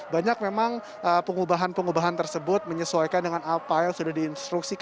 banyak memang pengubahan pengubahan tersebut menyesuaikan dengan apa yang sudah diinstruksikan